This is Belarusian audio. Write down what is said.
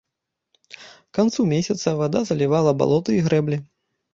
К канцу месяца вада залівала балоты і грэблі.